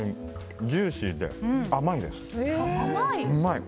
ジューシーで甘いです。